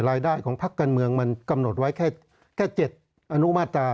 รายได้ของพักการเมืองมันกำหนดไว้แค่๗อนุมาตรา